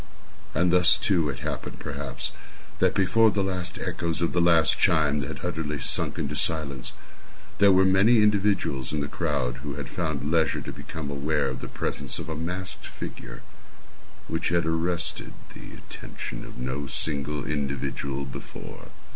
And thus, too, it happened, perhaps, that before the last echoes of the last chime had utterly sunk into silence, there were many individuals in the crowd who had found leisure to become aware of the presence of a masked figure which had arrested the attention of no single individual before.